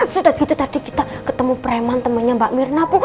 sudah gitu tadi kita ketemu preman temannya mbak mirna